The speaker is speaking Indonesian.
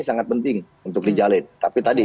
sangat penting untuk dijalin tapi tadi